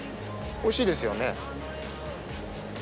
おいしいですよね。